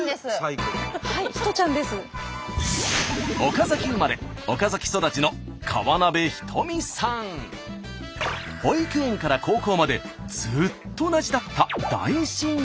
岡崎生まれ岡崎育ちの保育園から高校までずっと同じだった大親友です。